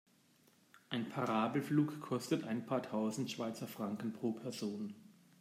Ein Parabelflug kostet ein paar tausend Schweizer Franken pro Person.